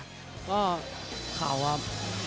ก็เขาครับ